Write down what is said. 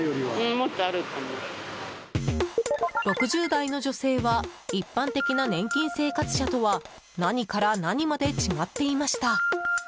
６０代の女性は一般的な年金生活者とは何から何まで違っていました。